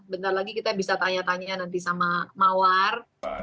bentar lagi kita bisa tanya tanya nanti sama mawar